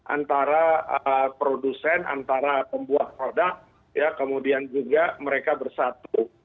antara produsen antara pembuat produk kemudian juga mereka bersatu